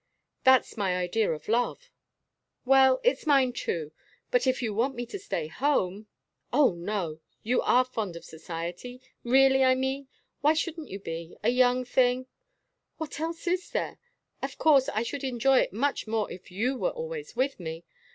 "That's my idea of love." "Well, it's mine, too. But if you want me to stay home " "Oh, no! You are fond of society? Really, I mean? Why shouldn't you be? a young thing " "What else is there? Of course, I should enjoy it much more if you were always with me.